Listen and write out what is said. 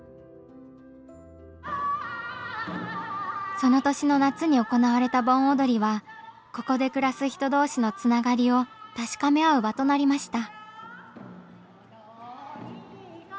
その年の夏に行われた盆踊りはここで暮らす人同士のつながりを確かめ合う場となりました。